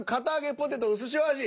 ポテトうすしお味」。